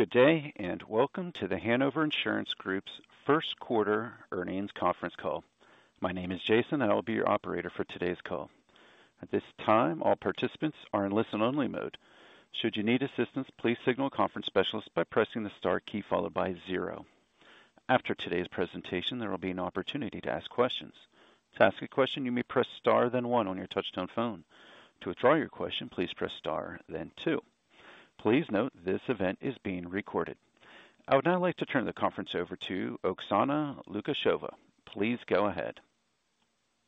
Good day, welcome to The Hanover Insurance Group's first quarter earnings conference call. My name is Jason, I will be your operator for today's call. At this time, all participants are in listen only mode. Should you need assistance, please signal a conference specialist by pressing the star key followed by zero. After today's presentation, there will be an opportunity to ask questions. To ask a question, you may press star then one on your touchtone phone. To withdraw your question, please press star then two. Please note this event is being recorded. I would now like to turn the conference over to Oksana Lukasheva. Please go ahead.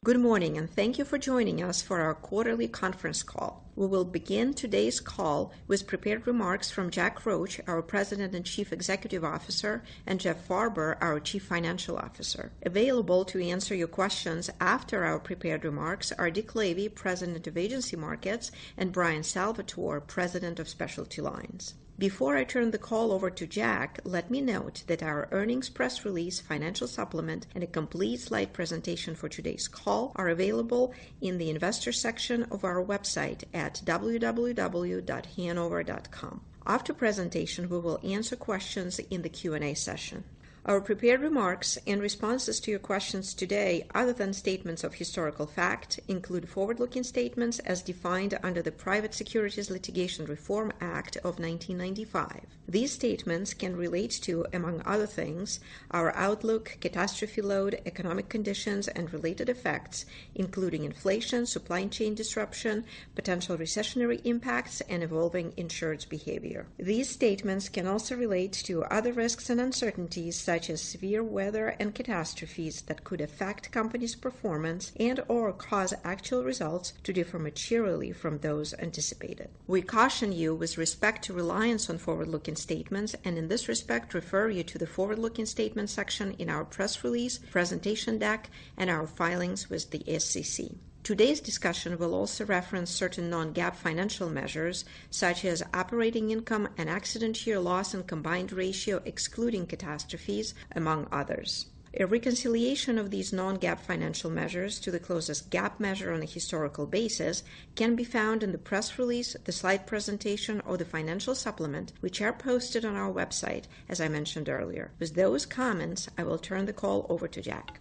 Good morning, and thank you for joining us for our quarterly conference call. We will begin today's call with prepared remarks from Jack Roche, our President and Chief Executive Officer, and Jeffrey Farber, our Chief Financial Officer. Available to answer your questions after our prepared remarks are Dick Lavey, President of Agency Markets, and Bryan Salvatore, President of Specialty Lines. Before I turn the call over to Jack, let me note that our earnings press release financial supplement and a complete slide presentation for today's call are available in the investor section of our website at www.hanover.com. After presentation, we will answer questions in the Q&A session. Our prepared remarks and responses to your questions today, other than statements of historical fact, include forward-looking statements as defined under the Private Securities Litigation Reform Act of 1995. These statements can relate to, among other things, our outlook, catastrophe load, economic conditions and related effects, including inflation, supply chain disruption, potential recessionary impacts, and evolving insured's behavior. These statements can also relate to other risks and uncertainties such as severe weather and catastrophes that could affect company's performance and/or cause actual results to differ materially from those anticipated. We caution you with respect to reliance on forward-looking statements and in this respect, refer you to the forward-looking statement section in our press release, presentation deck, and our filings with the SEC. Today's discussion will also reference certain non-GAAP financial measures such as operating income and accident year loss and combined ratio excluding catastrophes, among others. A reconciliation of these non-GAAP financial measures to the closest GAAP measure on a historical basis can be found in the press release, the slide presentation or the financial supplement, which are posted on our website as I mentioned earlier. With those comments, I will turn the call over to Jack.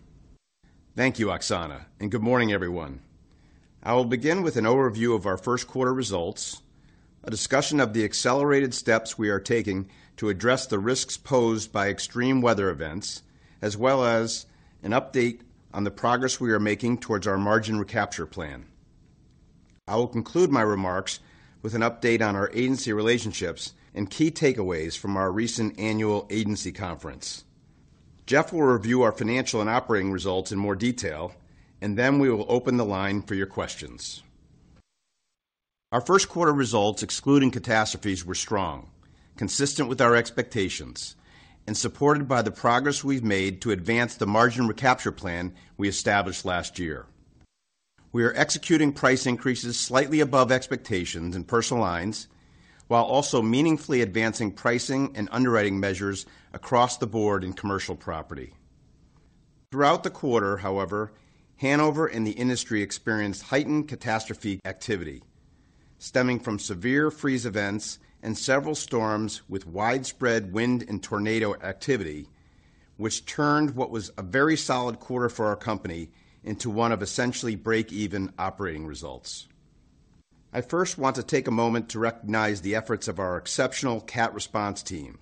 Thank you, Oksana. Good morning, everyone. I will begin with an overview of our first quarter results, a discussion of the accelerated steps we are taking to address the risks posed by extreme weather events, as well as an update on the progress we are making towards our margin recapture plan. I will conclude my remarks with an update on our agency relationships and key takeaways from our recent annual agency conference. Jeff will review our financial and operating results in more detail. We will open the line for your questions. Our first quarter results, excluding catastrophes were strong, consistent with our expectations and supported by the progress we've made to advance the margin recapture plan we established last year. We are executing price increases slightly above expectations in personal lines, while also meaningfully advancing pricing and underwriting measures across the board in commercial property. Throughout the quarter, however, Hanover and the industry experienced heightened cat activity stemming from severe freeze events and several storms with widespread wind and tornado activity, which turned what was a very solid quarter for our company into one of essentially break-even operating results. I first want to take a moment to recognize the efforts of our exceptional cat response team.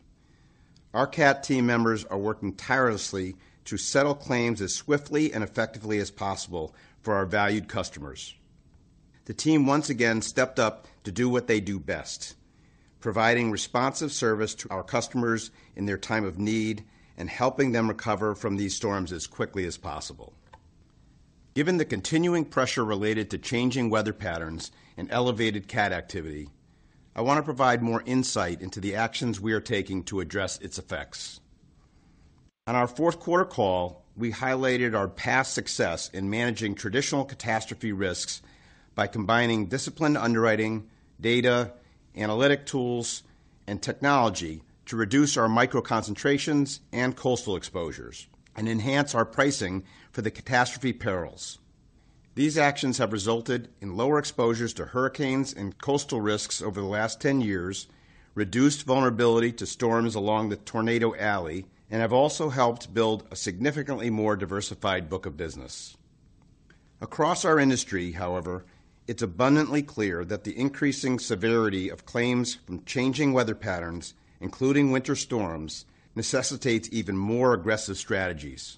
Our cat team members are working tirelessly to settle claims as swiftly and effectively as possible for our valued customers. The team once again stepped up to do what they do best, providing responsive service to our customers in their time of need and helping them recover from these storms as quickly as possible. Given the continuing pressure related to changing weather patterns and elevated cat activity, I want to provide more insight into the actions we are taking to address its effects. On our fourth quarter call, we highlighted our past success in managing traditional catastrophe risks by combining disciplined underwriting, data, analytic tools, and technology to reduce our micro concentrations and coastal exposures and enhance our pricing for the catastrophe perils. These actions have resulted in lower exposures to hurricanes and coastal risks over the last 10 years, reduced vulnerability to storms along the Tornado Alley, and have also helped build a significantly more diversified book of business. Across our industry, however, it's abundantly clear that the increasing severity of claims from changing weather patterns, including winter storms, necessitates even more aggressive strategies.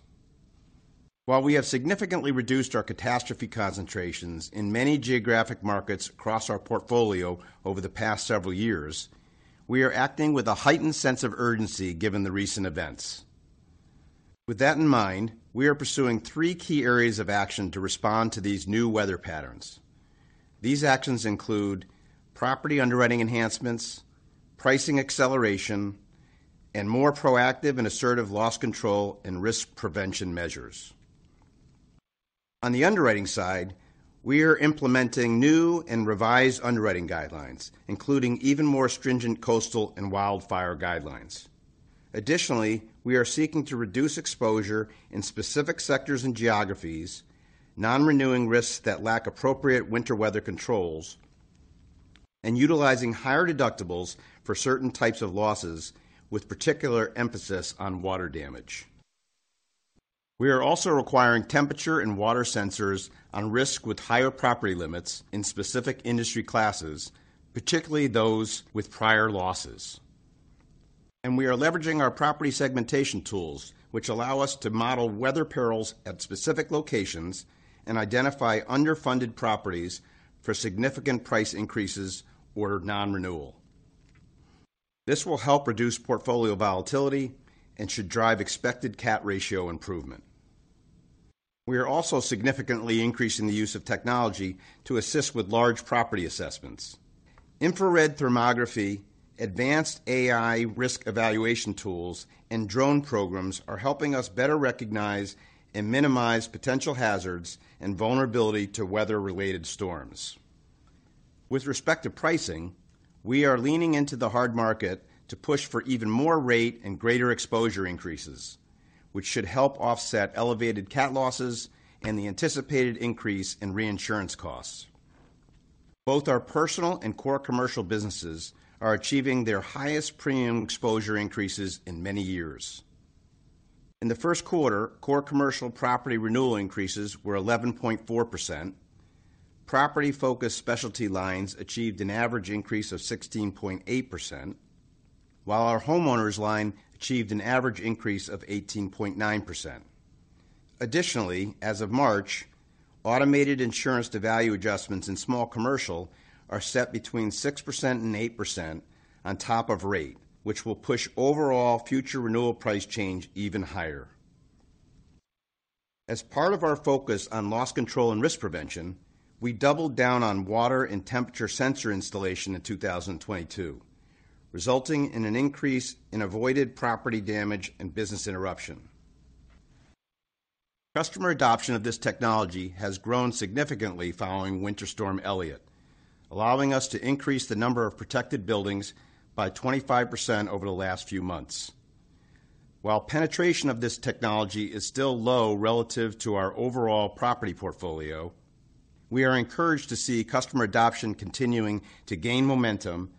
While we have significantly reduced our catastrophe concentrations in many geographic markets across our portfolio over the past several years, we are acting with a heightened sense of urgency given the recent events. With that in mind, we are pursuing three key areas of action to respond to these new weather patterns. These actions include property underwriting enhancements, pricing acceleration, and more proactive and assertive loss control and risk prevention measures. On the underwriting side, we are implementing new and revised underwriting guidelines, including even more stringent coastal and wildfire guidelines. Additionally, we are seeking to reduce exposure in specific sectors and geographies, non-renewing risks that lack appropriate winter weather controls, and utilizing higher deductibles for certain types of losses, with particular emphasis on water damage. We are also requiring temperature and water sensors on risk with higher property limits in specific industry classes, particularly those with prior losses. We are leveraging our property segmentation tools, which allow us to model weather perils at specific locations and identify underfunded properties for significant price increases or non-renewal. This will help reduce portfolio volatility and should drive expected cat ratio improvement. We are also significantly increasing the use of technology to assist with large property assessments. Infrared thermography, advanced AI risk evaluation tools, and drone programs are helping us better recognize and minimize potential hazards and vulnerability to weather-related storms. With respect to pricing, we are leaning into the hard market to push for even more rate and greater exposure increases, which should help offset elevated cat losses and the anticipated increase in reinsurance costs. Both our personal and core commercial businesses are achieving their highest premium exposure increases in many years. In the first quarter, core commercial property renewal increases were 11.4%. Property-focused specialty lines achieved an average increase of 16.8%, while our homeowners line achieved an average increase of 18.9%. Additionally, as of March, automated insurance-to-value adjustments in small commercial are set between 6% and 8% on top of rate, which will push overall future renewal price change even higher. As part of our focus on loss control and risk prevention, we doubled down on water and temperature sensor installation in 2022, resulting in an increase in avoided property damage and business interruption. Customer adoption of this technology has grown significantly following Winter Storm Elliott, allowing us to increase the number of protected buildings by 25% over the last few months. While penetration of this technology is still low relative to our overall property portfolio, we are encouraged to see customer adoption continuing to gain momentum.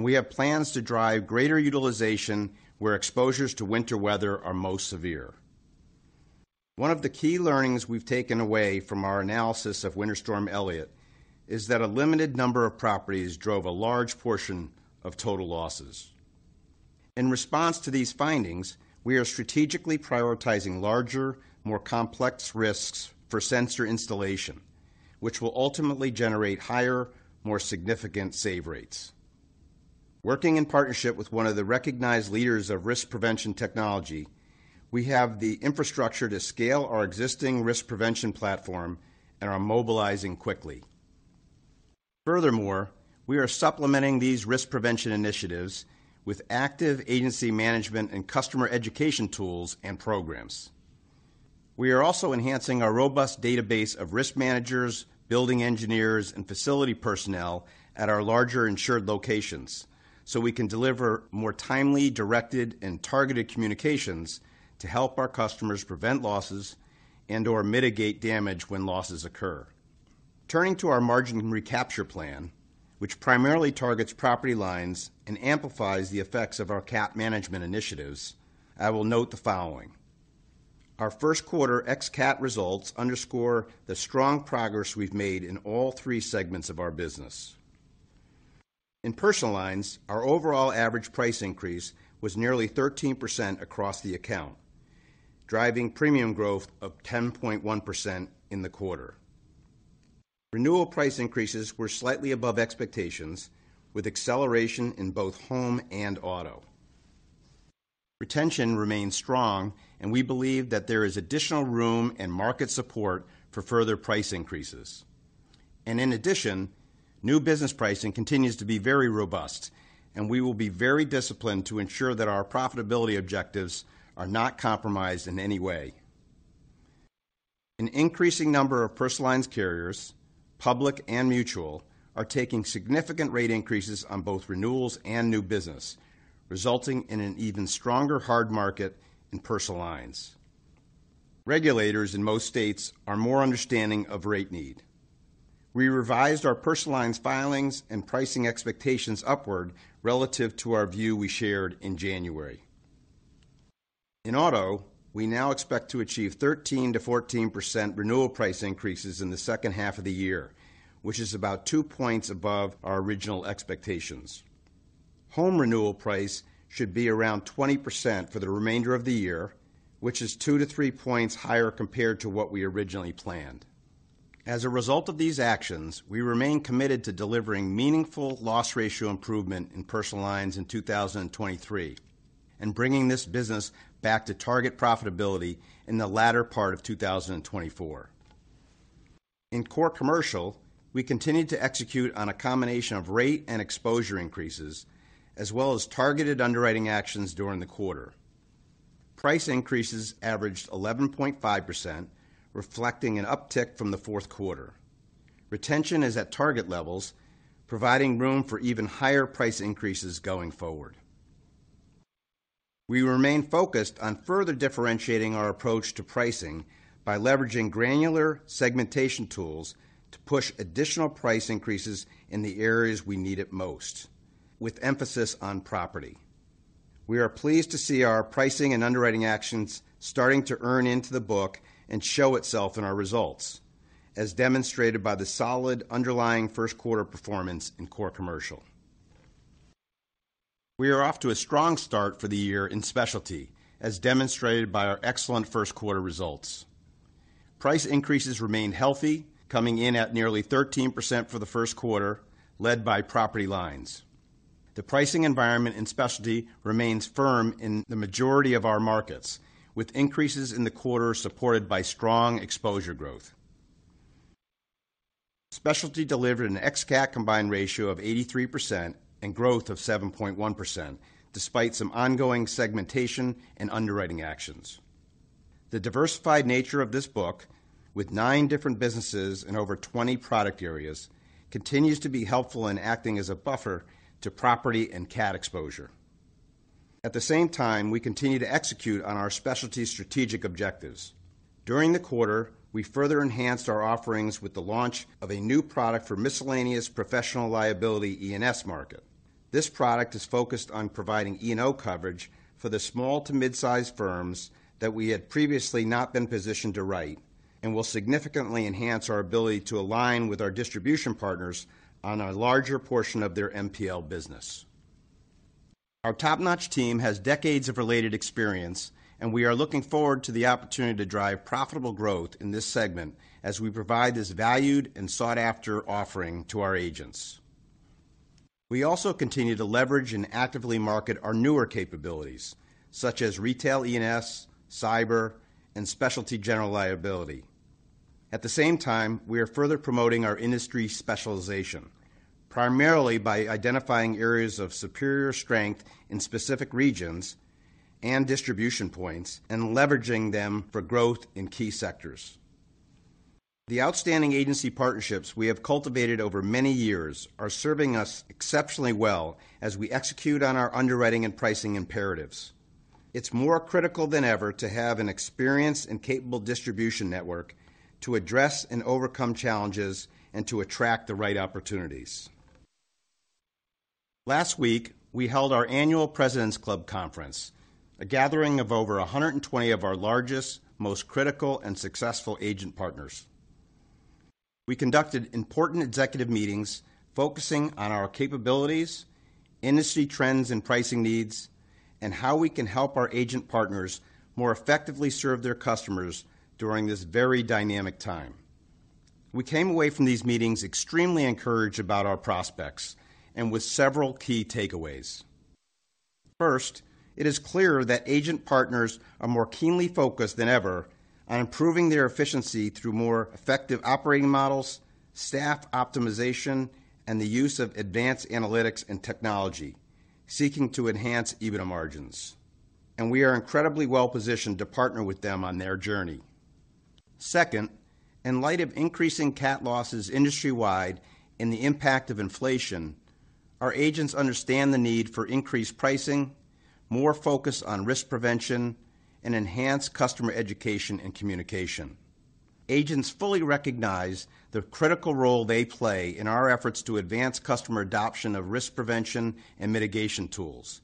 We have plans to drive greater utilization where exposures to winter weather are most severe. One of the key learnings we've taken away from our analysis of Winter Storm Elliott is that a limited number of properties drove a large portion of total losses. In response to these findings, we are strategically prioritizing larger, more complex risks for sensor installation, which will ultimately generate higher, more significant save rates. Working in partnership with one of the recognized leaders of risk prevention technology, we have the infrastructure to scale our existing risk prevention platform and are mobilizing quickly. Furthermore, we are supplementing these risk prevention initiatives with active agency management and customer education tools and programs. We are also enhancing our robust database of risk managers, building engineers, and facility personnel at our larger insured locations, so we can deliver more timely, directed, and targeted communications to help our customers prevent losses and/or mitigate damage when losses occur. Turning to our margin recapture plan, which primarily targets property lines and amplifies the effects of our cat management initiatives, I will note the following. Our first quarter ex-cat results underscore the strong progress we've made in all three segments of our business. In personal lines, our overall average price increase was nearly 13% across the account, driving premium growth of 10.1% in the quarter. Renewal price increases were slightly above expectations, with acceleration in both home and auto. Retention remains strong, and we believe that there is additional room and market support for further price increases. In addition, new business pricing continues to be very robust, and we will be very disciplined to ensure that our profitability objectives are not compromised in any way. An increasing number of personal lines carriers, public and mutual, are taking significant rate increases on both renewals and new business, resulting in an even stronger hard market in personal lines. Regulators in most states are more understanding of rate need. We revised our personal lines filings and pricing expectations upward relative to our view we shared in January. In auto, we now expect to achieve 13%-14% renewal price increases in the second half of the year, which is about two points above our original expectations. Home renewal price should be around 20% for the remainder of the year, which is two-three points higher compared to what we originally planned. As a result of these actions, we remain committed to delivering meaningful loss ratio improvement in personal lines in 2023 and bringing this business back to target profitability in the latter part of 2024. In core commercial, we continued to execute on a combination of rate and exposure increases as well as targeted underwriting actions during the quarter. Price increases averaged 11.5%, reflecting an uptick from the fourth quarter. Retention is at target levels, providing room for even higher price increases going forward. We remain focused on further differentiating our approach to pricing by leveraging granular segmentation tools to push additional price increases in the areas we need it most, with emphasis on property. We are pleased to see our pricing and underwriting actions starting to earn into the book and show itself in our results, as demonstrated by the solid underlying first quarter performance in core commercial. We are off to a strong start for the year in Specialty, as demonstrated by our excellent first quarter results. Price increases remain healthy, coming in at nearly 13% for the first quarter, led by property lines. The pricing environment in Specialty remains firm in the majority of our markets, with increases in the quarter supported by strong exposure growth. Specialty delivered an ex-cat combined ratio of 83% and growth of 7.1%, despite some ongoing segmentation and underwriting actions. The diversified nature of this book, with nine different businesses and over 20 product areas, continues to be helpful in acting as a buffer to property and cat exposure. At the same time, we continue to execute on our specialty strategic objectives. During the quarter, we further enhanced our offerings with the launch of a new product for miscellaneous professional liability E&S market. This product is focused on providing E&O coverage for the small to mid-size firms that we had previously not been positioned to write and will significantly enhance our ability to align with our distribution partners on a larger portion of their MPL business. Our top-notch team has decades of related experience, and we are looking forward to the opportunity to drive profitable growth in this segment as we provide this valued and sought-after offering to our agents. We also continue to leverage and actively market our newer capabilities, such as retail E&S, cyber, and specialty general liability. At the same time, we are further promoting our industry specialization, primarily by identifying areas of superior strength in specific regions and distribution points and leveraging them for growth in key sectors. The outstanding agency partnerships we have cultivated over many years are serving us exceptionally well as we execute on our underwriting and pricing imperatives. It's more critical than ever to have an experienced and capable distribution network to address and overcome challenges and to attract the right opportunities. Last week, we held our annual Presidents Club Conference, a gathering of over 120 of our largest, most critical, and successful agent partners. We conducted important executive meetings focusing on our capabilities, industry trends and pricing needs, and how we can help our agent partners more effectively serve their customers during this very dynamic time. We came away from these meetings extremely encouraged about our prospects and with several key takeaways. First, it is clear that agent partners are more keenly focused than ever on improving their efficiency through more effective operating models, staff optimization, and the use of advanced analytics and technology, seeking to enhance EBITDA margins. We are incredibly well-positioned to partner with them on their journey. Second, in light of increasing cat losses industry-wide and the impact of inflation, our agents understand the need for increased pricing, more focus on risk prevention, and enhanced customer education and communication. Agents fully recognize the critical role they play in our efforts to advance customer adoption of risk prevention and mitigation tools,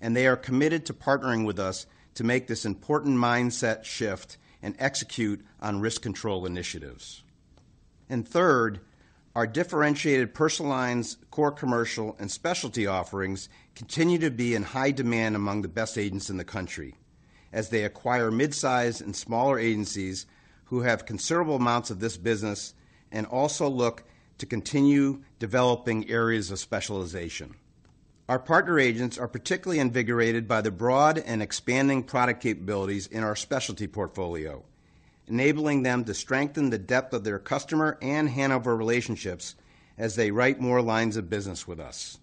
and they are committed to partnering with us to make this important mindset shift and execute on risk control initiatives. Third, our differentiated personal lines, core commercial, and specialty offerings continue to be in high demand among the best agents in the country as they acquire midsize and smaller agencies who have considerable amounts of this business and also look to continue developing areas of specialization. Our partner agents are particularly invigorated by the broad and expanding product capabilities in our specialty portfolio, enabling them to strengthen the depth of their customer and Hanover relationships as they write more lines of business with us.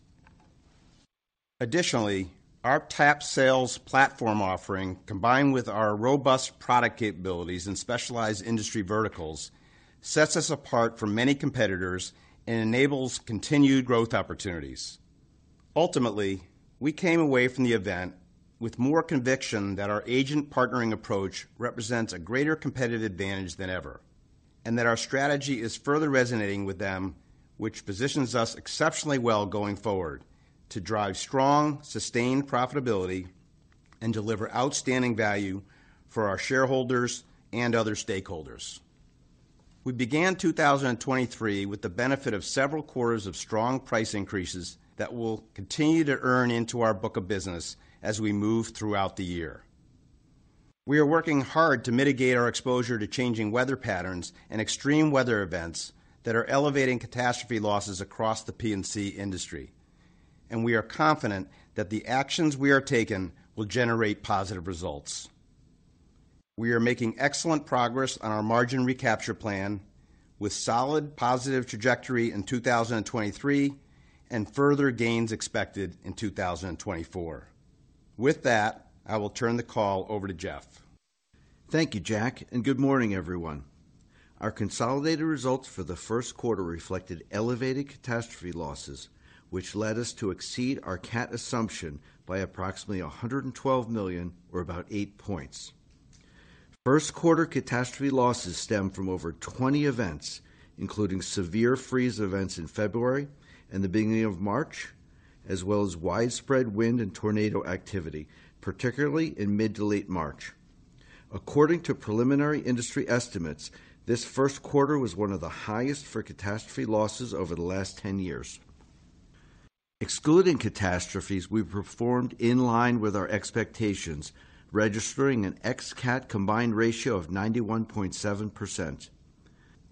Additionally, our TAP Sales platform offering, combined with our robust product capabilities and specialized industry verticals, sets us apart from many competitors and enables continued growth opportunities. Ultimately, we came away from the event with more conviction that our agent partnering approach represents a greater competitive advantage than ever, and that our strategy is further resonating with them, which positions us exceptionally well going forward to drive strong, sustained profitability and deliver outstanding value for our shareholders and other stakeholders. We began 2023 with the benefit of several quarters of strong price increases that will continue to earn into our book of business as we move throughout the year. We are working hard to mitigate our exposure to changing weather patterns and extreme weather events that are elevating catastrophe losses across the P&C industry, and we are confident that the actions we are taking will generate positive results. We are making excellent progress on our margin recapture plan with solid positive trajectory in 2023 and further gains expected in 2024. With that, I will turn the call over to Jeffrey. Thank you, Jack. Good morning, everyone. Our consolidated results for the first quarter reflected elevated catastrophe losses, which led us to exceed our cat assumption by approximately $112 million or about eight points. First quarter catastrophe losses stemmed from over 20 events, including severe freeze events in February and the beginning of March, as well as widespread wind and tornado activity, particularly in mid to late March. According to preliminary industry estimates, this first quarter was one of the highest for catastrophe losses over the last 10 years. Excluding catastrophes, we performed in line with our expectations, registering an ex-cat combined ratio of 91.7%.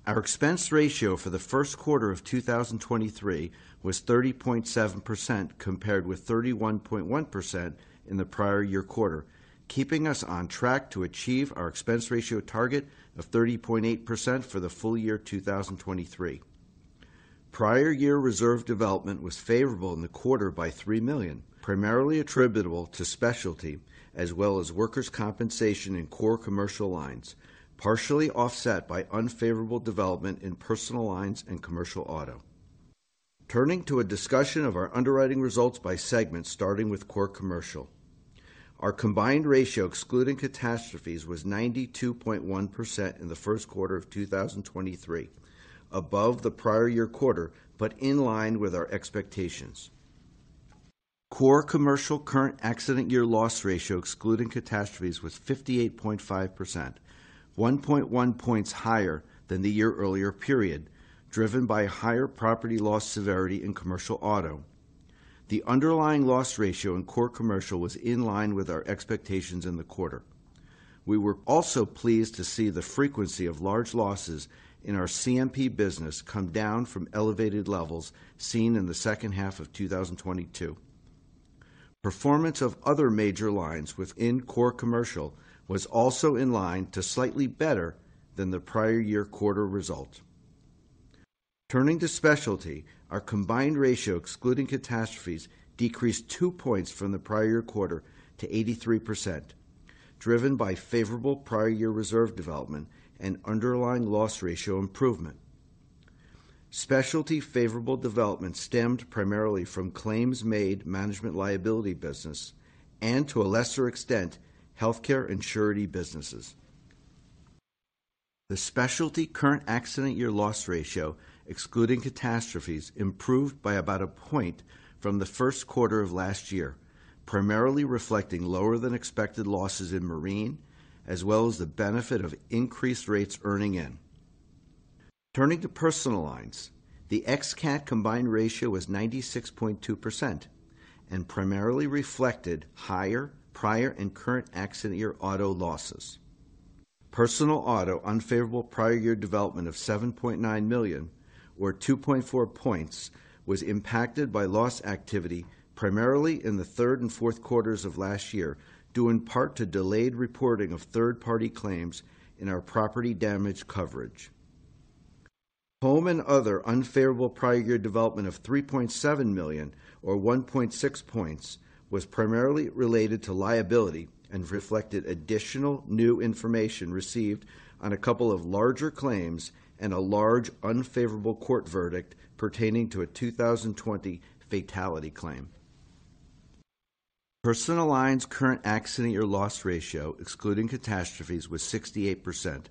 Our expense ratio for the first quarter of 2023 was 30.7% compared with 31.1% in the prior year quarter, keeping us on track to achieve our expense ratio target of 30.8% for the full year 2023. Prior year reserve development was favorable in the quarter by $3 million, primarily attributable to Specialty as well as workers' compensation in core commercial lines, partially offset by unfavorable development in personal lines and commercial auto. Turning to a discussion of our underwriting results by segment, starting with core commercial. Our ex-cat combined ratio was 92.1% in the first quarter of 2023, above the prior year quarter, in line with our expectations. Core commercial current accident year loss ratio excluding catastrophes was 58.5%, 1.1 points higher than the year earlier period, driven by higher property loss severity in commercial auto. The underlying loss ratio in core commercial was in line with our expectations in the quarter. We were also pleased to see the frequency of large losses in our CMP business come down from elevated levels seen in the second half of 2022. Performance of other major lines within core commercial was also in line to slightly better than the prior year quarter result. Turning to Specialty, our combined ratio excluding catastrophes decreased two points from the prior year quarter to 83%, driven by favorable prior year reserve development and underlying loss ratio improvement. Specialty favorable development stemmed primarily from claims made management liability business and to a lesser extent, healthcare and surety businesses. The specialty current accident year loss ratio excluding catastrophes improved by about a point from the first quarter of last year, primarily reflecting lower than expected losses in marine as well as the benefit of increased rates earning in. Turning to personal lines, the ex-cat combined ratio was 96.2% and primarily reflected higher prior and current accident year personal auto losses. Personal auto unfavorable prior year development of $7.9 million or 2.4 points was impacted by loss activity primarily in the third and fourth quarters of last year, due in part to delayed reporting of third-party claims in our property damage coverage. Home and other unfavorable prior year development of $3.7 million or 1.6 points was primarily related to liability and reflected additional new information received on a couple of larger claims and a large unfavorable court verdict pertaining to a 2020 fatality claim. Personal lines current accident year loss ratio excluding catastrophes was 68%,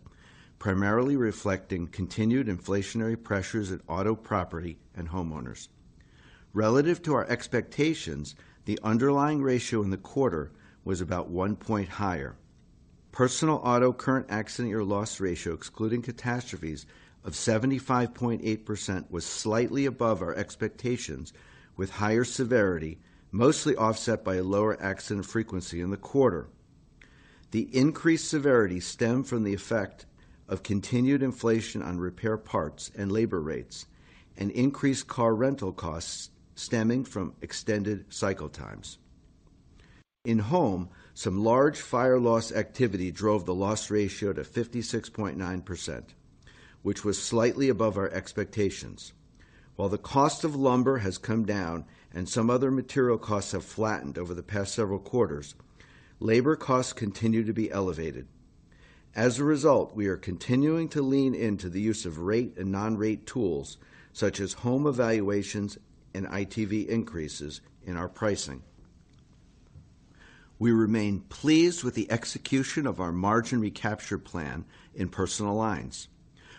primarily reflecting continued inflationary pressures in auto property and homeowners. Relative to our expectations, the underlying ratio in the quarter was about one point higher. Personal auto current accident year loss ratio excluding catastrophes of 75.8% was slightly above our expectations with higher severity, mostly offset by a lower accident frequency in the quarter. The increased severity stemmed from the effect of continued inflation on repair parts and labor rates and increased car rental costs stemming from extended cycle times. In home, some large fire loss activity drove the loss ratio to 56.9%, which was slightly above our expectations. While the cost of lumber has come down and some other material costs have flattened over the past several quarters, labor costs continue to be elevated. As a result, we are continuing to lean into the use of rate and non-rate tools, such as home evaluations and ITV increases in our pricing. We remain pleased with the execution of our margin recapture plan in personal lines.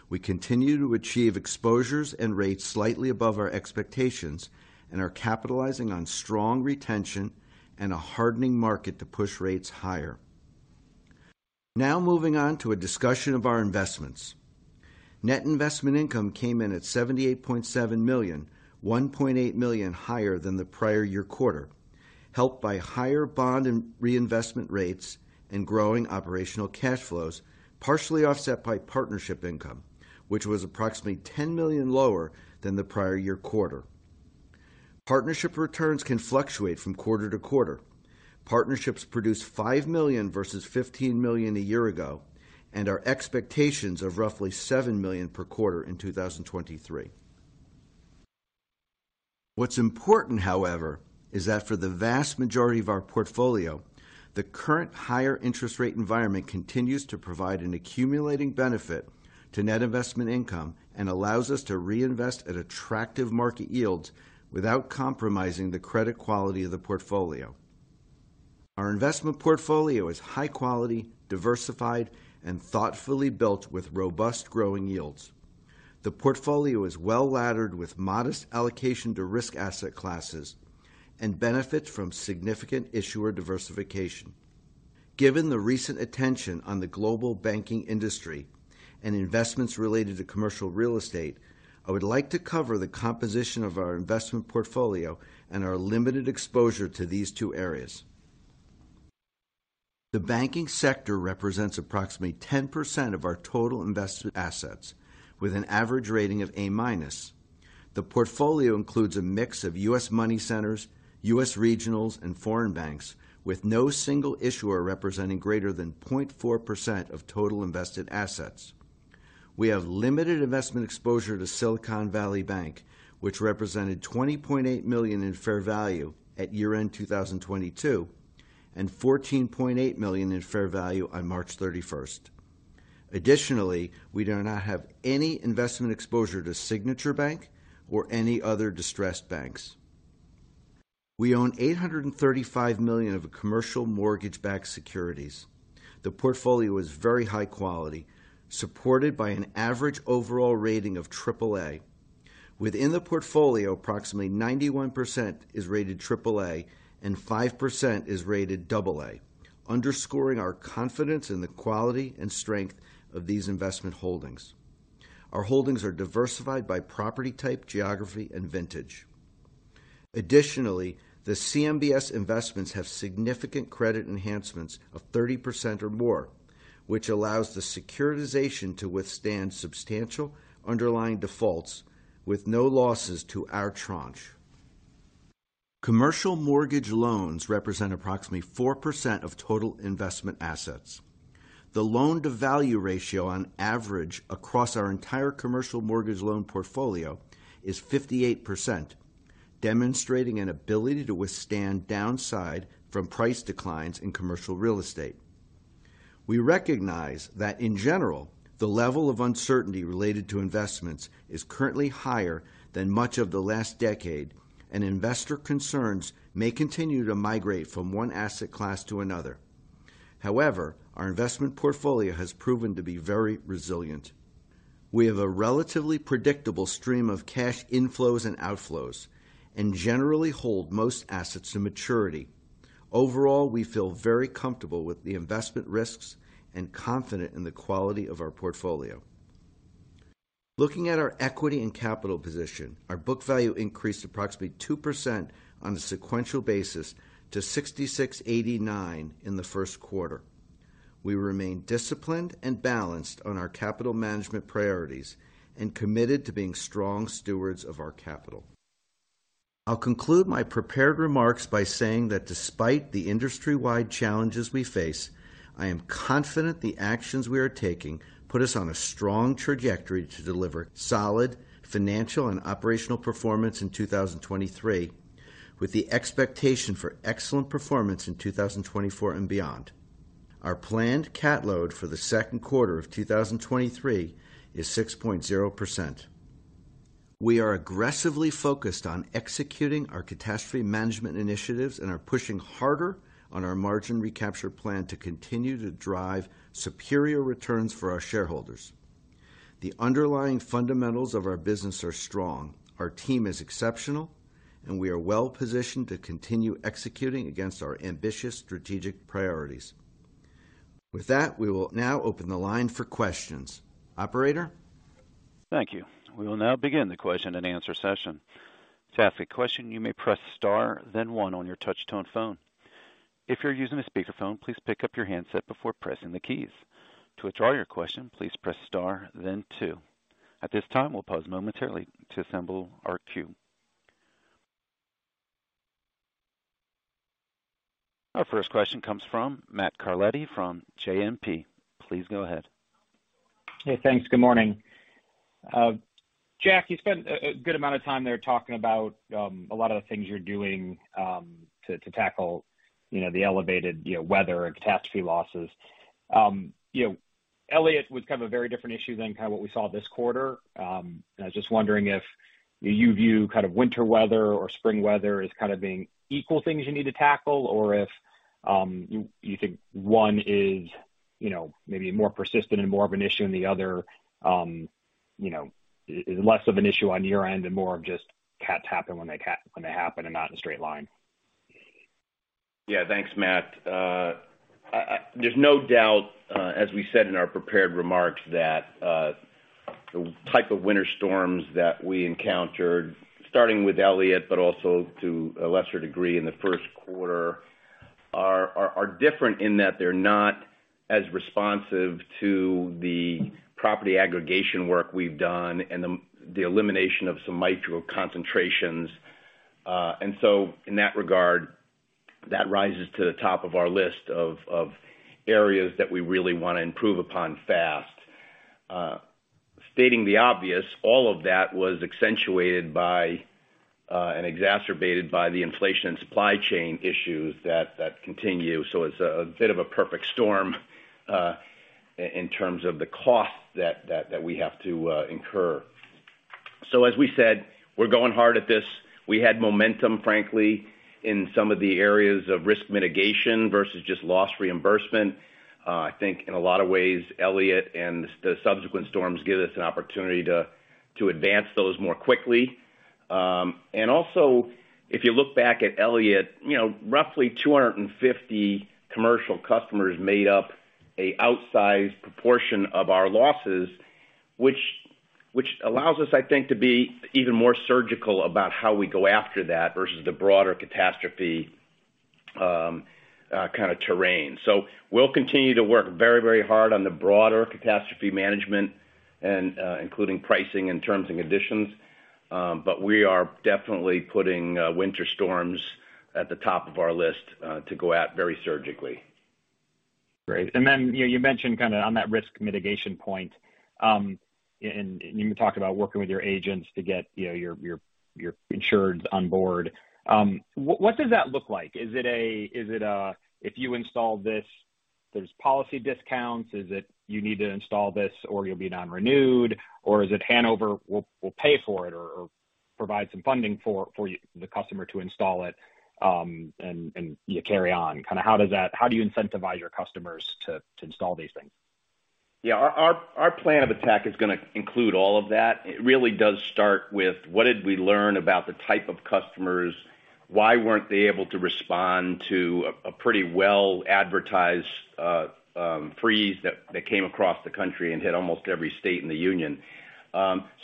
We continue to achieve exposures and rates slightly above our expectations and are capitalizing on strong retention and a hardening market to push rates higher. Moving on to a discussion of our investments. Net investment income came in at $78.7 million, $1.8 million higher than the prior year quarter, helped by higher bond and reinvestment rates and growing operational cash flows, partially offset by partnership income, which was approximately $10 million lower than the prior year quarter. Partnership returns can fluctuate from quarter to quarter. Partnerships produce $5 million versus $15 million a year ago, and our expectations of roughly $7 million per quarter in 2023. What's important, however, is that for the vast majority of our portfolio, the current higher interest rate environment continues to provide an accumulating benefit to net investment income and allows us to reinvest at attractive market yields without compromising the credit quality of the portfolio. Our investment portfolio is high quality, diversified, and thoughtfully built with robust growing yields. The portfolio is well-laddered with modest allocation to risk asset classes and benefits from significant issuer diversification. Given the recent attention on the global banking industry and investments related to commercial real estate, I would like to cover the composition of our investment portfolio and our limited exposure to these two areas. The banking sector represents approximately 10% of our total invested assets with an average rating of A-. The portfolio includes a mix of US money centers, US regionals, and foreign banks with no single issuer representing greater than 0.4% of total invested assets. We have limited investment exposure to Silicon Valley Bank, which represented $20.8 million in fair value at year-end 2022, and $14.8 million in fair value on March 31st. Additionally, we do not have any investment exposure to Signature Bank or any other distressed banks. We own $835 million of commercial mortgage-backed securities. The portfolio is very high quality, supported by an average overall rating of triple A. Within the portfolio, approximately 91% is rated triple A, and 5% is rated double A, underscoring our confidence in the quality and strength of these investment holdings. Our holdings are diversified by property type, geography, and vintage. The CMBS investments have significant credit enhancements of 30% or more, which allows the securitization to withstand substantial underlying defaults with no losses to our tranche. Commercial mortgage loans represent approximately 4% of total investment assets. The loan-to-value ratio on average across our entire commercial mortgage loan portfolio is 58%, demonstrating an ability to withstand downside from price declines in commercial real estate. We recognize that in general, the level of uncertainty related to investments is currently higher than much of the last decade, and investor concerns may continue to migrate from one asset class to another. However, our investment portfolio has proven to be very resilient. We have a relatively predictable stream of cash inflows and outflows and generally hold most assets to maturity. Overall, we feel very comfortable with the investment risks and confident in the quality of our portfolio. Looking at our equity and capital position, our book value increased approximately 2% on a sequential basis to $66.89 in the first quarter. We remain disciplined and balanced on our capital management priorities and committed to being strong stewards of our capital. I'll conclude my prepared remarks by saying that despite the industry-wide challenges we face, I am confident the actions we are taking put us on a strong trajectory to deliver solid financial and operational performance in 2023, with the expectation for excellent performance in 2024 and beyond. Our planned cat load for the second quarter of 2023 is 6.0%. We are aggressively focused on executing our catastrophe management initiatives and are pushing harder on our margin recapture plan to continue to drive superior returns for our shareholders. The underlying fundamentals of our business are strong. Our team is exceptional, and we are well-positioned to continue executing against our ambitious strategic priorities. With that, we will now open the line for questions. Operator? Thank you. We will now begin the question-and-answer session. To ask a question, you may press star then one on your touch-tone phone. If you're using a speakerphone, please pick up your handset before pressing the keys. To withdraw your question, please press star then two. At this time, we'll pause momentarily to assemble our queue. Our first question comes from Matthew Carletti from JMP. Please go ahead. Hey, thanks. Good morning. Jack, you spent a good amount of time there talking about a lot of the things you're doing to tackle, you know, the elevated, you know, weather and catastrophe losses. You know, Winter Storm Elliott was kind of a very different issue than kind of what we saw this quarter. I was just wondering if you view kind of winter weather or spring weather as kind of being equal things you need to tackle, or if you think one is, you know, maybe more persistent and more of an issue and the other, you know, is less of an issue on your end and more of just cats happen when they happen and not in a straight line? Yeah. Thanks, Matthew. There's no doubt, as we said in our prepared remarks, that the type of winter storms that we encountered, starting with Winter Storm Elliott, but also to a lesser degree in the first quarter Are different in that they're not as responsive to the property aggregation work we've done and the elimination of some micro concentrations. In that regard, that rises to the top of our list of areas that we really wanna improve upon fast. Stating the obvious, all of that was accentuated by and exacerbated by the inflation and supply chain issues that continue. It's a bit of a perfect storm in terms of the cost that we have to incur. As we said, we're going hard at this. We had momentum, frankly, in some of the areas of risk mitigation versus just loss reimbursement. I think in a lot of ways, Elliott and the subsequent storms give us an opportunity to advance those more quickly. Also, if you look back at Winter Storm Elliott, you know, roughly 250 commercial customers made up a outsized proportion of our losses, which allows us, I think, to be even more surgical about how we go after that versus the broader catastrophe kind of terrain. We'll continue to work very, very hard on the broader catastrophe management and including pricing and terms and conditions. We are definitely putting winter storms at the top of our list to go at very surgically. Great. You know, you mentioned kind of on that risk mitigation point, and you talked about working with your agents to get, you know, your insureds on board. What does that look like? Is it, if you install this, there's policy discounts? Is it, you need to install this or you'll be non-renewed? Is it Hanover will pay for it or provide some funding for the customer to install it, and you carry on? How do you incentivize your customers to install these things? Our plan of attack is gonna include all of that. It really does start with what did we learn about the type of customers, why weren't they able to respond to a pretty well-advertised freeze that came across the country and hit almost every state in the union.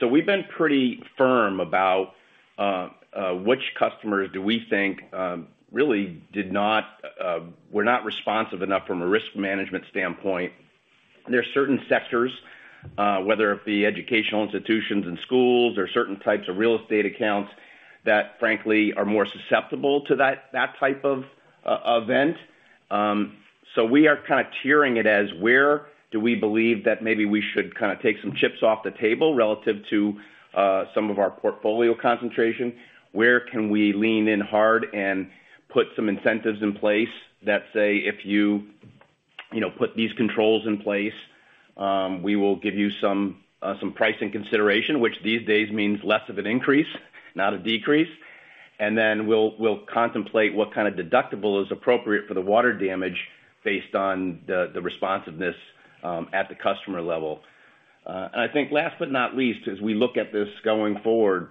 We've been pretty firm about which customers do we think really were not responsive enough from a risk management standpoint. There are certain sectors, whether it be educational institutions and schools or certain types of real estate accounts that, frankly, are more susceptible to that type of event. We are kind of tiering it as where do we believe that maybe we should kind of take some chips off the table relative to some of our portfolio concentration. Where can we lean in hard and put some incentives in place that say, if you know, put these controls in place, we will give you some pricing consideration, which these days means less of an increase, not a decrease. We'll contemplate what kind of deductible is appropriate for the water damage based on the responsiveness, at the customer level. I think last but not least, as we look at this going forward,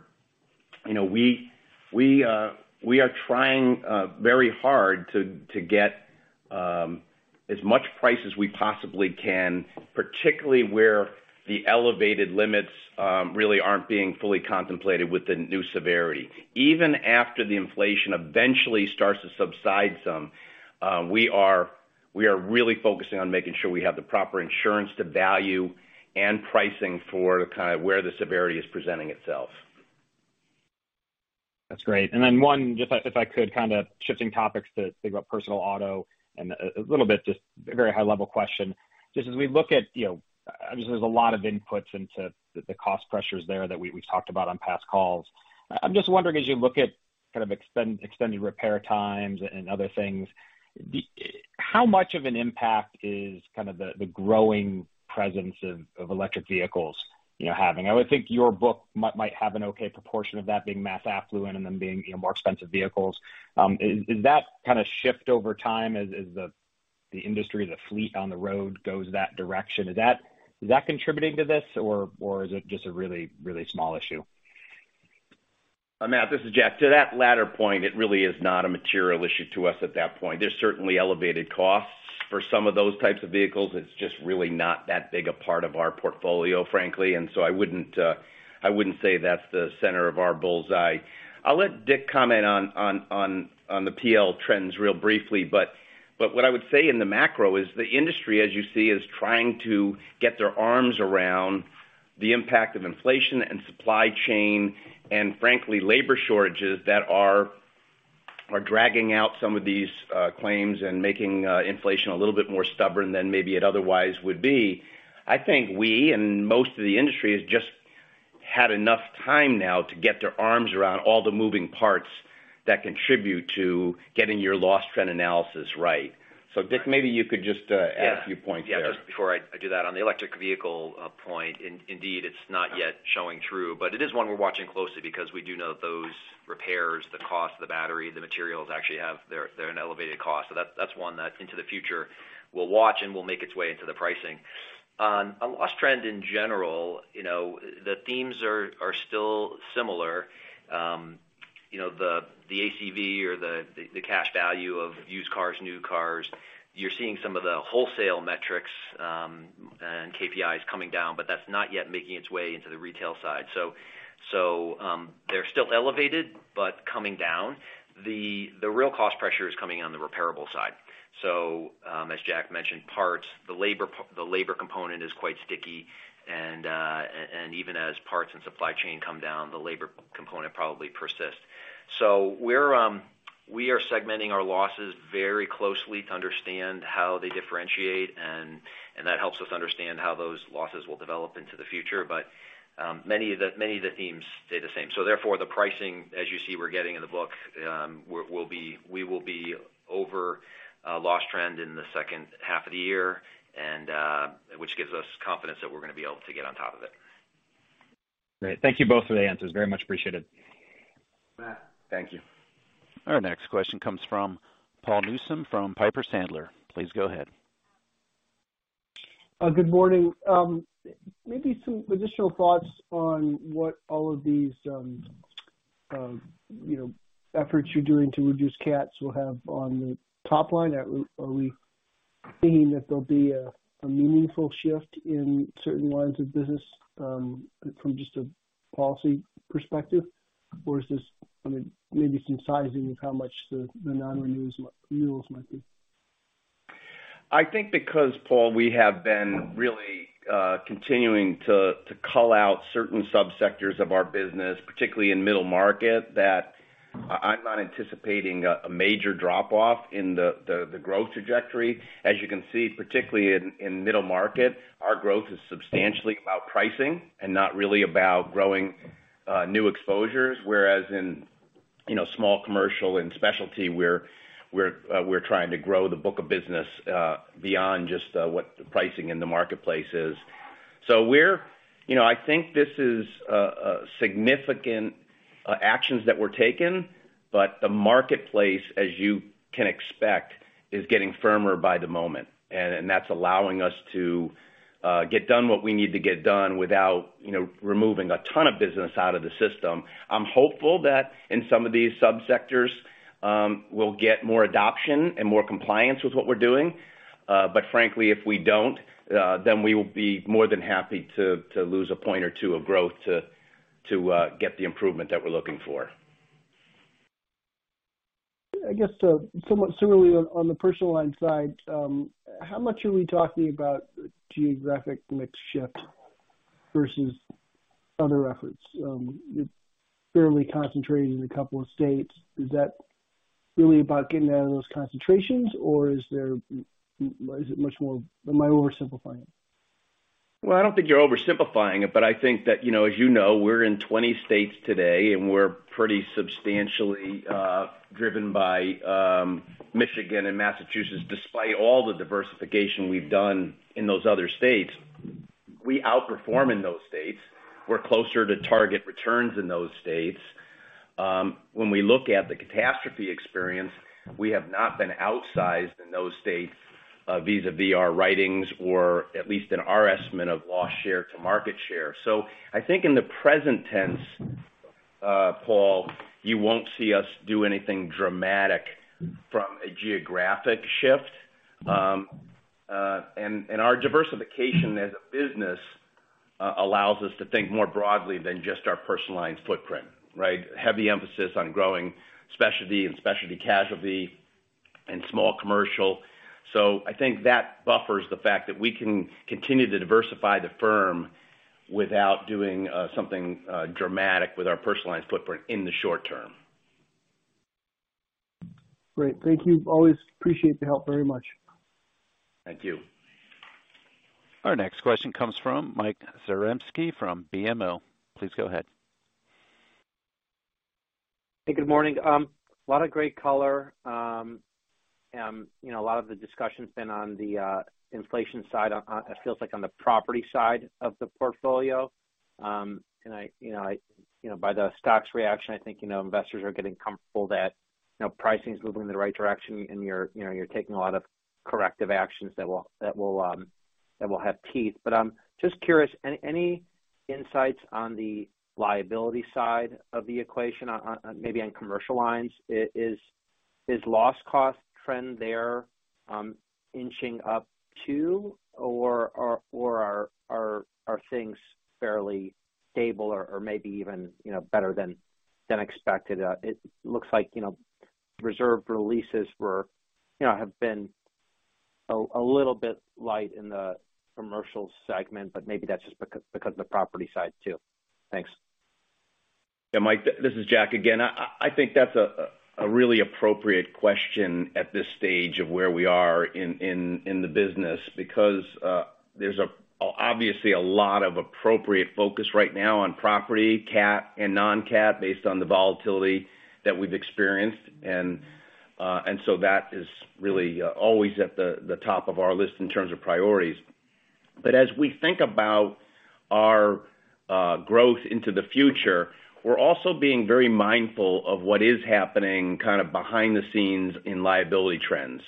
you know, we are trying very hard to get as much price as we possibly can, particularly where the elevated limits, really aren't being fully contemplated with the new severity. Even after the inflation eventually starts to subside some, we are really focusing on making sure we have the proper insurance-to-value and pricing for kind of where the severity is presenting itself. That's great. One, just like if I could kind of shifting topics to think about personal auto and a little bit just very high-level question. Just as we look at, you know, obviously there's a lot of inputs into the cost pressures there that we've talked about on past calls. I'm just wondering, as you look at kind of extended repair times and other things, how much of an impact is kind of the growing presence of electric vehicles, you know, having? I would think your book might have an okay proportion of that being mass affluent and then being, you know, more expensive vehicles. Is that kind of shift over time as the industry, the fleet on the road goes that direction? Is that contributing to this or is it just a really, really small issue? Matthew, this is Jeffrey. To that latter point, it really is not a material issue to us at that point. There's certainly elevated costs for some of those types of vehicles. It's just really not that big a part of our portfolio, frankly. I wouldn't say that's the center of our bull's eye. I'll let Dick comment on the PL trends real briefly. What I would say in the macro is the industry, as you see, is trying to get their arms around the impact of inflation and supply chain and frankly, labor shortages that are dragging out some of these claims and making inflation a little bit more stubborn than maybe it otherwise would be. I think we and most of the industry has just had enough time now to get their arms around all the moving parts that contribute to getting your loss trend analysis right. Dick, maybe you could just add a few points there. Yeah. Just before I do that, on the electric vehicle point, indeed, it's not yet showing through, but it is one we're watching closely because we do know those repairs, the cost of the battery, the materials actually have they're an elevated cost. That, that's one that into the future we'll watch and will make its way into the pricing. On a loss trend in general, you know, the themes are still similar. you know, the ACV or the cash value of used cars, new cars. You're seeing some of the wholesale metrics, and KPIs coming down, but that's not yet making its way into the retail side. They're still elevated, but coming down. The real cost pressure is coming on the repairable side. As Jack mentioned, parts, the labor component is quite sticky, and even as parts and supply chain come down, the labor component probably persists. We are segmenting our losses very closely to understand how they differentiate and that helps us understand how those losses will develop into the future. Many of the themes stay the same. Therefore, the pricing, as you see, we're getting in the book, we will be over loss trend in the second half of the year and, which gives us confidence that we're gonna be able to get on top of it. Great. Thank you both for the answers. Very much appreciated. Matt, thank you. Our next question comes from Paul Newsome from Piper Sandler. Please go ahead. Good morning. Maybe some additional thoughts on what all of these, you know, efforts you're doing to reduce cats will have on the top line. Are we thinking that there'll be a meaningful shift in certain lines of business, from just a policy perspective? Or is this maybe some sizing of how much the non-renewals, renewals might be? I think because Paul, we have been really continuing to call out certain subsectors of our business, particularly in middle market, that I'm not anticipating a major drop off in the growth trajectory. As you can see, particularly in middle market, our growth is substantially about pricing and not really about growing new exposures. Whereas in, you know, small commercial and specialty, we're trying to grow the book of business beyond just what the pricing in the marketplace is. You know, I think this is significant actions that were taken, but the marketplace, as you can expect, is getting firmer by the moment, and that's allowing us to get done what we need to get done without, you know, removing a ton of business out of the system. I'm hopeful that in some of these subsectors, we'll get more adoption and more compliance with what we're doing. Frankly, if we don't, then we will be more than happy to lose a point or two of growth to get the improvement that we're looking for. I guess, somewhat similarly on the personal line side, how much are we talking about geographic mix shift versus other efforts? Fairly concentrated in a couple of states. Is that really about getting out of those concentrations or is there, am I oversimplifying it? Well, I don't think you're oversimplifying it, but I think that, you know, as you know, we're in 20 states today, and we're pretty substantially driven by Michigan and Massachusetts, despite all the diversification we've done in those other states. We outperform in those states. We're closer to target returns in those states. When we look at the catastrophe experience, we have not been outsized in those states, vis-a-vis our writings or at least in our estimate of loss share to market share. I think in the present tense, Paul, you won't see us do anything dramatic from a geographic shift. Our diversification as a business allows us to think more broadly than just our personal lines footprint, right? Heavy emphasis on growing specialty and specialty casualty and small commercial. I think that buffers the fact that we can continue to diversify the firm without doing something dramatic with our personal lines footprint in the short term. Great. Thank you. Always appreciate the help very much. Thank you. Our next question comes from Michael Zaremski from BMO. Please go ahead. Hey, good morning. A lot of great color. You know, a lot of the discussion's been on the inflation side on, it feels like on the property side of the portfolio. I, you know, I, you know, by the stocks reaction, I think, you know, investors are getting comfortable that, you know, pricing is moving in the right direction and you're, you know, you're taking a lot of corrective actions that will have teeth. I'm just curious, any insights on the liability side of the equation on maybe on commercial lines? Is loss cost trend there, inching up too, or are things fairly stable or maybe even, you know, better than expected? It looks like, you know, reserve releases were, you know, have been a little bit light in the commercial segment, maybe that's just because of the property side too. Thanks. Yeah, Michael, this is Jack again. I think that's a really appropriate question at this stage of where we are in the business because there's obviously a lot of appropriate focus right now on property, cat and non-cat based on the volatility that we've experienced. That is really always at the top of our list in terms of priorities. As we think about our growth into the future, we're also being very mindful of what is happening kind of behind the scenes in liability trends.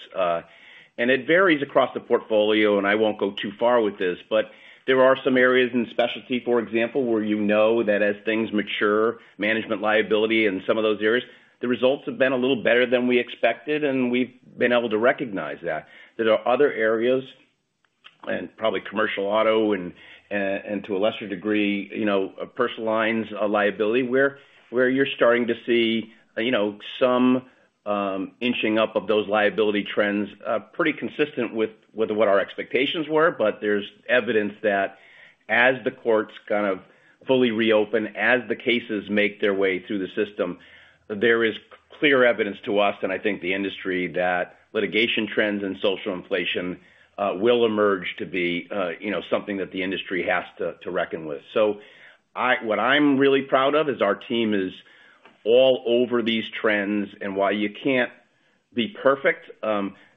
It varies across the portfolio, and I won't go too far with this, but there are some areas in specialty, for example, where you know that as things mature, management liability in some of those areas, the results have been a little better than we expected, and we've been able to recognize that. There are other areas. Probably commercial auto and to a lesser degree, you know, personal lines of liability, where you're starting to see, you know, some inching up of those liability trends, pretty consistent with what our expectations were. There's evidence that as the courts kind of fully reopen, as the cases make their way through the system, there is clear evidence to us, and I think the industry that litigation trends and social inflation, will emerge to be, you know, something that the industry has to reckon with. What I'm really proud of is our team is all over these trends, and while you can't be perfect,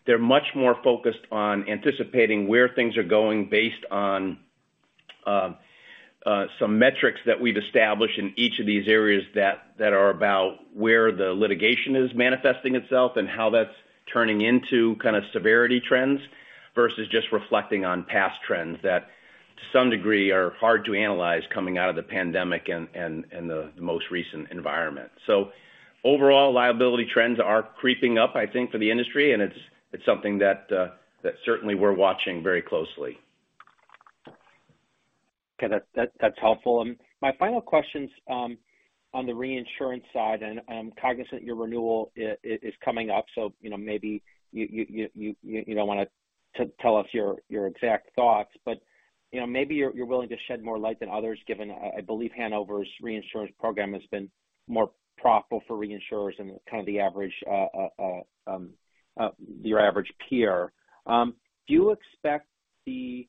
they're much more focused on anticipating where things are going based on some metrics that we've established in each of these areas that are about where the litigation is manifesting itself and how that's turning into kind of severity trends versus just reflecting on past trends that to some degree are hard to analyze coming out of the pandemic and the most recent environment. Overall liability trends are creeping up, I think, for the industry, and it's something that certainly we're watching very closely. Okay. That's helpful. My final question's on the reinsurance side and cognizant your renewal is coming up, so, you know, maybe you don't wanna tell us your exact thoughts, but, you know, maybe you're willing to shed more light than others given, I believe Hanover's reinsurance program has been more profitable for reinsurers than kind of the average peer. Do you expect the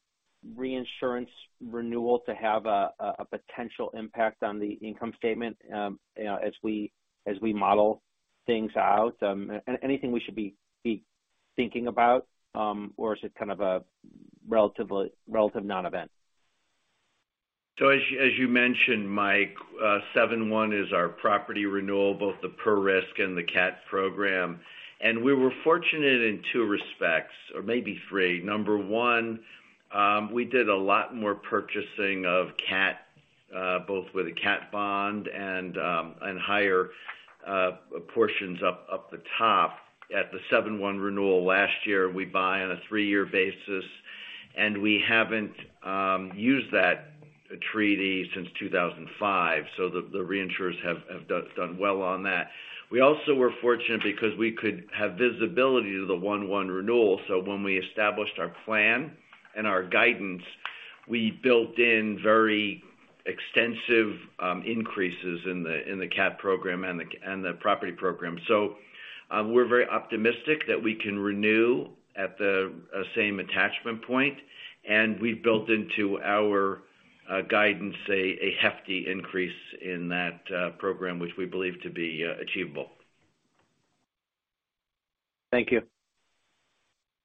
reinsurance renewal to have a potential impact on the income statement, you know, as we model things out? Anything we should be thinking about? Is it kind of a relative non-event? As you mentioned, Michael, 7/1 is our property renewal, both the per risk and the cat program. We were fortunate in two respects, or maybe three. Number one, we did a lot more purchasing of cat, both with a cat bond and higher portions up the top at the 7/1 renewal last year. We buy on a three-year basis, and we haven't used that treaty since 2005. The reinsurers have done well on that. We also were fortunate because we could have visibility to the 1/1 renewal. When we established our plan and our guidance, we built in very extensive increases in the cat program and the property program. We're very optimistic that we can renew at the same attachment point, and we've built into our guidance a hefty increase in that program, which we believe to be achievable. Thank you.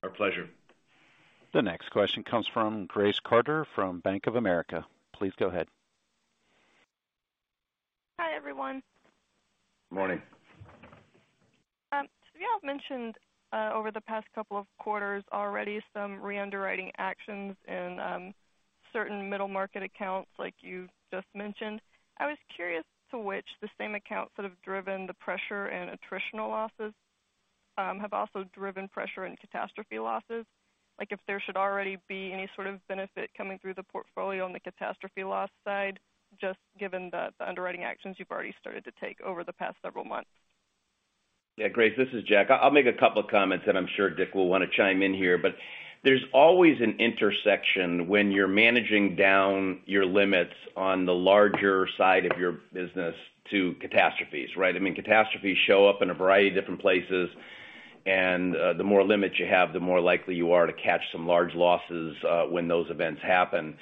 Our pleasure. The next question comes from Grace Carter from Bank of America. Please go ahead. Hi, everyone. Morning. Y'all have mentioned over the past couple of quarters already some reunderwriting actions in certain middle market accounts like you just mentioned. I was curious to which the same accounts that have driven the pressure and attritional losses have also driven pressure and catastrophe losses. Like, if there should already be any sort of benefit coming through the portfolio on the catastrophe loss side, just given the underwriting actions you've already started to take over the past several months. Yeah. Grace, this is Jack. I'll make a couple of comments, and I'm sure Dick will wanna chime in here. There's always an intersection when you're managing down your limits on the larger side of your business to catastrophes, right? I mean, catastrophes show up in a variety of different places, and the more limits you have, the more likely you are to catch some large losses when those events happen.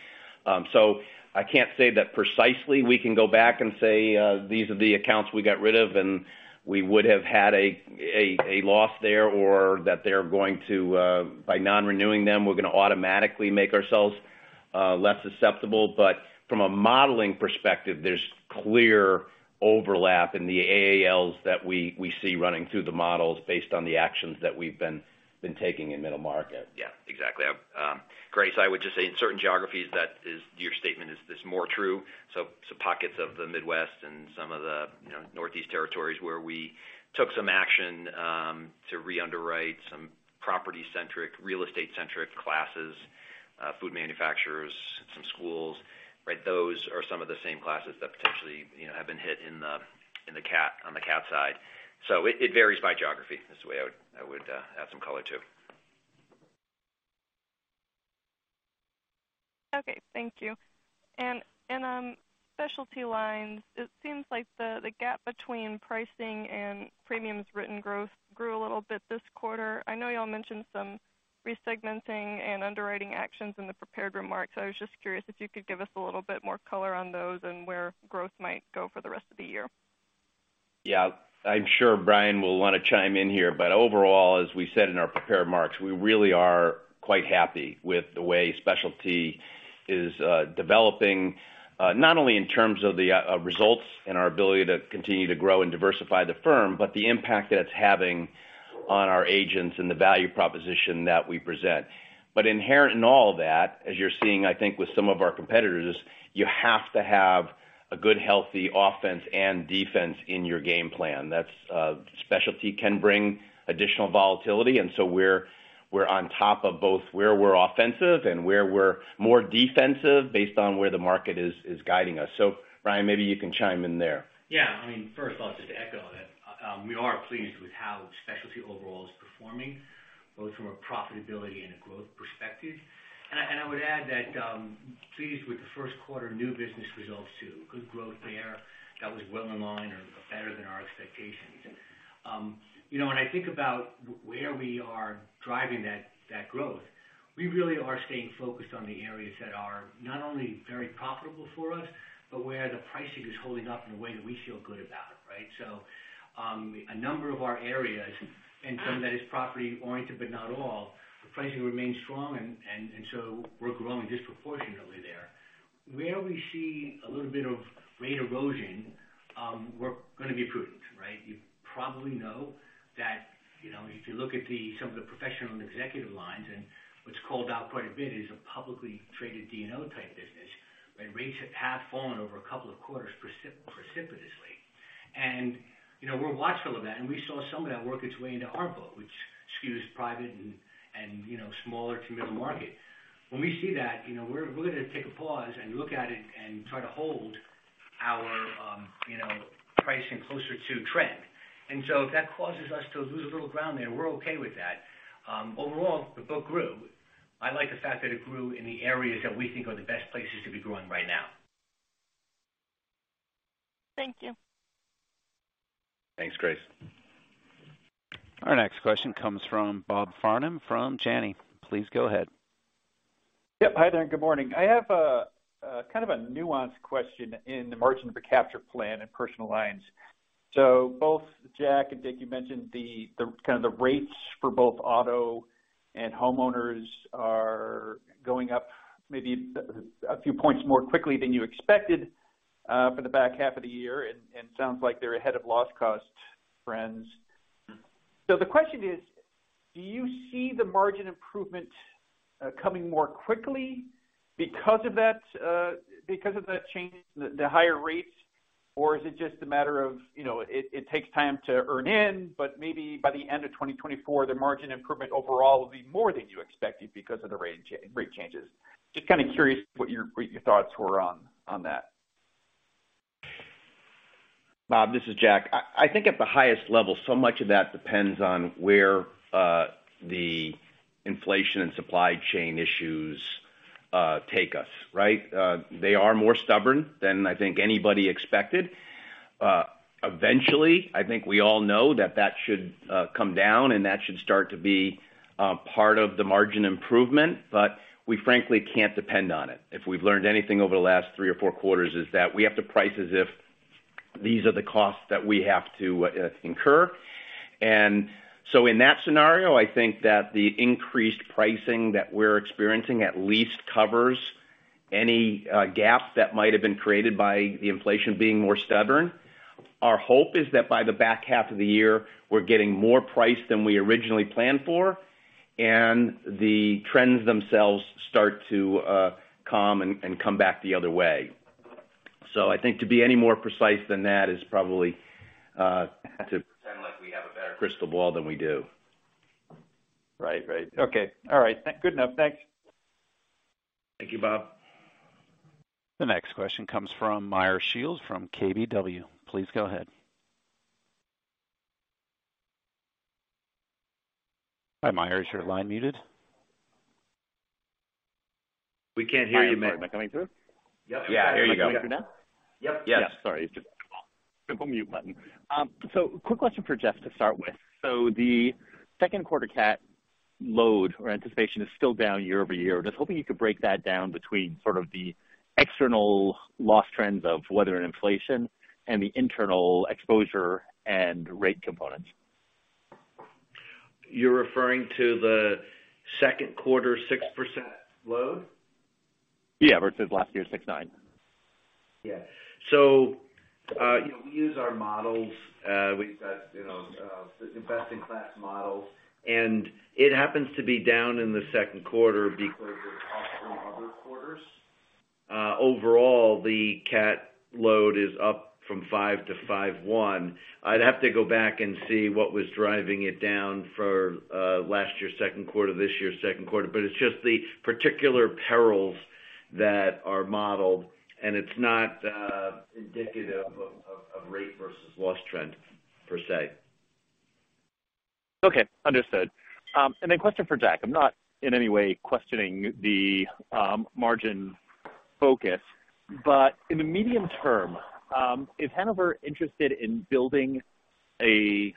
I can't say that precisely we can go back and say, these are the accounts we got rid of, and we would have had a loss there or that they're going to, by non-renewing them, we're gonna automatically make ourselves less susceptible. From a modeling perspective, there's clear overlap in the AALs that we see running through the models based on the actions that we've been taking in middle market. Exactly. Grace, I would just say in certain geographies that your statement is more true. Pockets of the Midwest and some of the, you know, Northeast territories where we took some action to reunderwrite some property centric, real estate centric classes, food manufacturers, some schools, right? Those are some of the same classes that potentially, you know, have been hit in the cat, on the cat side. It varies by geography. That's the way I would add some color, too. Okay. Thank you. Specialty Lines, it seems like the gap between pricing and premiums written growth grew a little bit this quarter. I know y'all mentioned some resegmenting and underwriting actions in the prepared remarks. I was just curious if you could give us a little bit more color on those and where growth might go for the rest of the year? Yeah. I'm sure Bryan will wanna chime in here, but overall, as we said in our prepared remarks, we really are quite happy with the way Specialty is developing, not only in terms of the results and our ability to continue to grow and diversify the firm, but the impact that it's having on our agents and the value proposition that we present. Inherent in all of that, as you're seeing, I think, with some of our competitors, is you have to have a good, healthy offense and defense in your game plan. Specialty can bring additional volatility. We're on top of both where we're offensive and where we're more defensive based on where the market is guiding us. Bryan, maybe you can chime in there. Yeah. I mean, first off, just to echo that, we are pleased with how specialty overall is performing, both from a profitability and a growth perspective. I would add that, pleased with the first quarter new business results too. Good growth there that was well in line or better than our expectations. You know, when I think about where we are driving that growth, we really are staying focused on the areas that are not only very profitable for us, but where the pricing is holding up in a way that we feel good about, right? A number of our areas, and some that is property-oriented, but not all, the pricing remains strong and so we're growing disproportionately there. Where we see a little bit of rate erosion, we're going to be prudent, right? You probably know that, you know, if you look at some of the professional and executive lines and what's called out quite a bit is a publicly traded D&O type business, where rates have fallen over a couple of quarters precipitously. We're watchful of that, and we saw some of that work its way into our book, which skews private and, you know, smaller to middle market. When we see that, you know, we're willing to take a pause and look at it and try to hold our, you know, pricing closer to trend. If that causes us to lose a little ground there, we're okay with that. Overall, the book grew. I like the fact that it grew in the areas that we think are the best places to be growing right now. Thank you. Thanks, Grace. Our next question comes from Robert Farnam from Janney. Please go ahead. Yep. Hi there, and good morning. I have a kind of a nuanced question in the margin for capture plan and personal lines. Both Jack Roche and Dick Lavey, you mentioned the kind of the rates for both auto and homeowners are going up maybe a few points more quickly than you expected for the back half of the year, and sounds like they're ahead of loss cost trends. The question is, do you see the margin improvement coming more quickly because of that change, the higher rates? Or is it just a matter of, you know, it takes time to earn in, but maybe by the end of 2024, the margin improvement overall will be more than you expected because of the rate changes? Just kind of curious what your thoughts were on that? Robert, this is Jack. I think at the highest level, so much of that depends on where the inflation and supply chain issues take us, right? They are more stubborn than I think anybody expected. Eventually, I think we all know that that should come down and that should start to be part of the margin improvement. We frankly can't depend on it. If we've learned anything over the last three or four quarters is that we have to price as if these are the costs that we have to incur. In that scenario, I think that the increased pricing that we're experiencing at least covers any gap that might have been created by the inflation being more stubborn. Our hope is that by the back half of the year, we're getting more price than we originally planned for, and the trends themselves start to calm and come back the other way. I think to be any more precise than that is probably to pretend like we have a better crystal ball than we do. Right. Right. Okay. All right. Good enough. Thanks. Thank you, Robert The next question comes from Meyer Shields from KBW. Please go ahead. Hi, Meyer. Is your line muted? We can't hear you, Meyer. Am I coming through? Yep. Yeah. There you go. Am I coming through now? Yep. Yeah. Sorry. It's just a simple mute button. Quick question for Jeffrey to start with. The second quarter cat load or anticipation is still down year-over-year. Hoping you could break that down between sort of the external loss trends of weather and inflation and the internal exposure and rate components. You're referring to the second quarter 6% load? Yeah, versus last year's 6.9%. You know, we use our models, we've got, you know, the best in class models, it happens to be down in the second quarter because of costs from other quarters. Overall, the cat load is up from 5% to 51%. I'd have to go back and see what was driving it down for last year, second quarter, this year, second quarter. It's just the particular perils that are modeled, and it's not indicative of rate versus loss trend per se. Okay. Understood. Question for Jack. I'm not in any way questioning the margin focus. In the medium term, is Hanover interested in building a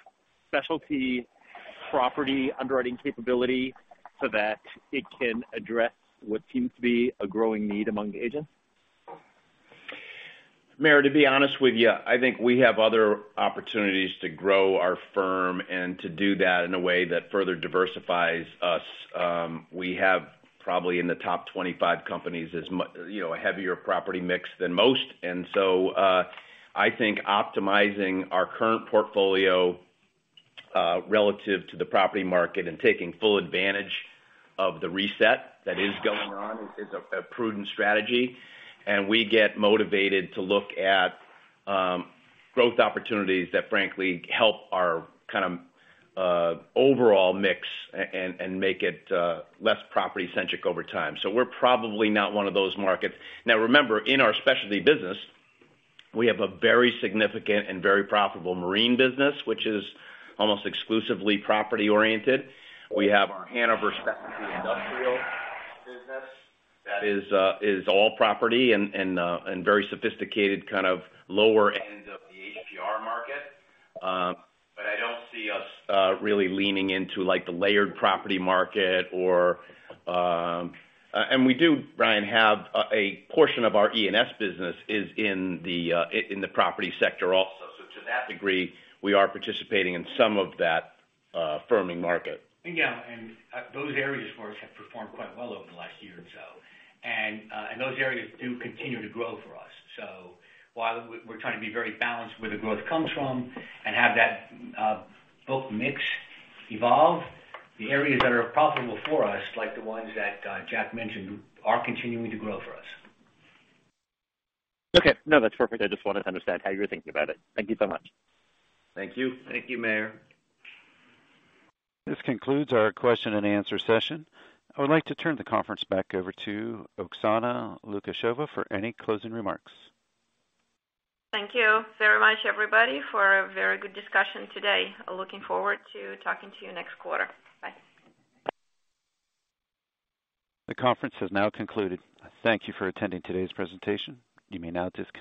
specialty property underwriting capability so that it can address what seems to be a growing need among the agents? Meyer, to be honest with you, I think we have other opportunities to grow our firm and to do that in a way that further diversifies us. We have probably in the top 25 companies you know, a heavier property mix than most. I think optimizing our current portfolio relative to the property market and taking full advantage of the reset that is going on is a prudent strategy. We get motivated to look at growth opportunities that frankly help our, kind of, overall mix and make it less property-centric over time. We're probably not one of those markets. Remember, in our specialty business, we have a very significant and very profitable marine business, which is almost exclusively property-oriented. We have our Hanover Specialty Industrial business that is all property and very sophisticated kind of lower end of the HPR market. I don't see us really leaning into, like, the layered property market or. We do, Bryan, have a portion of our E&S business is in the property sector also. To that degree, we are participating in some of that firming market. Yeah. Those areas for us have performed quite well over the last year and so. Those areas do continue to grow for us. While we're trying to be very balanced where the growth comes from and have that book mix evolve, the areas that are profitable for us, like the ones that Jack mentioned, are continuing to grow for us. Okay. No, that's perfect. I just wanted to understand how you're thinking about it. Thank you so much. Thank you. Thank you, Meyer. This concludes our question and answer session. I would like to turn the conference back over to Oksana Lukasheva for any closing remarks. Thank you very much, everybody, for a very good discussion today. Looking forward to talking to you next quarter. Bye. The conference has now concluded. Thank you for attending today's presentation. You may now disconnect.